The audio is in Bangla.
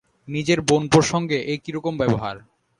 নিজের বোনপোর সঙ্গে এ কিরকম ব্যবহার।